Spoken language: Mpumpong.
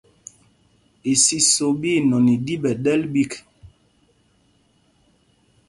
Isiso ɓí inɔn i ɗi ɓɛ̌ ɗɛ́l ɓîk.